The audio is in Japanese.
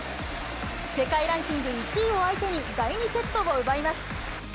世界ランキング１位を相手に、第２セットを奪います。